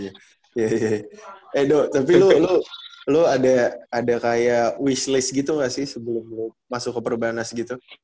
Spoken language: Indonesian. iya iya iya eh do tapi lu ada kayak wish list gitu enggak sih sebelum masuk ke purwanas gitu